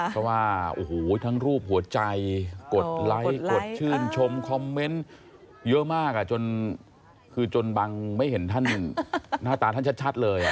เพราะว่าโอ้โหทั้งรูปหัวใจกดไลค์กดชื่นชมคอมเมนต์เยอะมากจนคือจนบังไม่เห็นท่านหน้าตาท่านชัดเลย